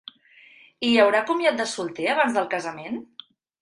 Hi haurà comiat de solter abans del casament?